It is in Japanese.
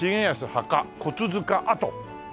墓骨塚跡。